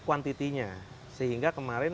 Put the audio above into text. kuantitinya sehingga kemarin